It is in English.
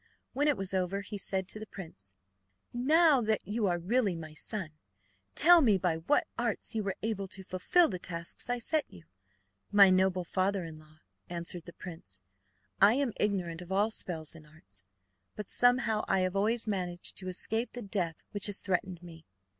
When it was over, he said to the prince: "Now that you are really my son, tell me by what arts you were able to fulfil the tasks I set you?" "My noble father in law," answered the prince, "I am ignorant of all spells and arts. But somehow I have always managed to escape the death which has threatened me."